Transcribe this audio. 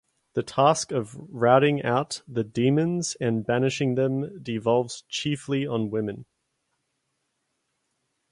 The task of routing out the demons and banishing them devolves chiefly on women.